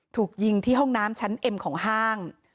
ถูกยิงที่ห้องน้ำชั้นเอ็มของห้าง